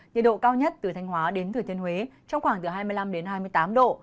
nhiệt độ cao nhất từ thanh hóa đến thủy thiên huế trong khoảng hai mươi năm hai mươi tám độ